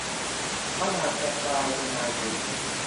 อาจจะกลายเป็นนายทุน